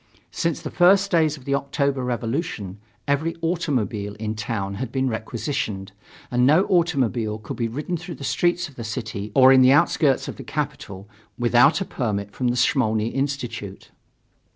Since the first days of the October revolution, every automobile in town had been requisitioned, and no automobile could be ridden through the streets of the city or in the outskirts of the capital without a permit from the Smolny Institute.